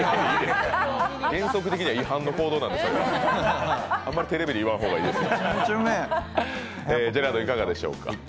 原則的には違反の行動なので、あんまりテレビで言わん方がいいですよ。